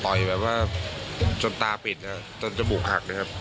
ปล่อยแบบว่าจนตาปิดนะครับจนจมูกอักนะครับ